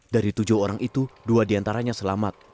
dari tujuh orang itu dua diantaranya selamat